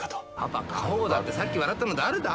パパ過保護だってさっき笑ったの誰だ？